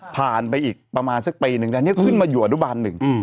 ผ่านไปอีกประมาณสักปีนึงแต่อันนี้ขึ้นมาอยู่อนุบาลหนึ่ง